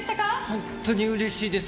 本当にうれしいです！